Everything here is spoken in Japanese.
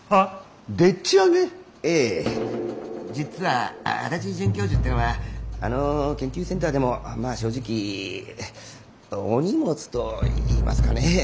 ええ実は足立准教授ってのはあの研究センターでもまあ正直お荷物といいますかね。